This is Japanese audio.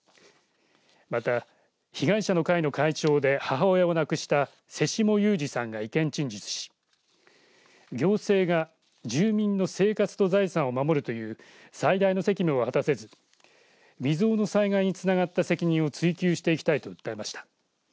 また、被害者の会の会長で母親を亡くした瀬下雄史さんが意見陳述し行政が住民の生活と財産を守るという最大の責務を果たせず未曾有の災害につながった責任を追及していきたいと訴えました。